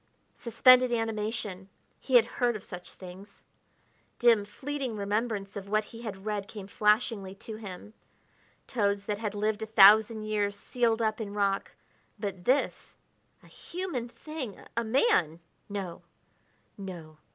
Suspended animation. He had heard of such things. Dim, fleeting remembrance of what he had read came flashingly to him toads that had lived a thousand years sealed up in rock but this, a human thing, a man! no, no!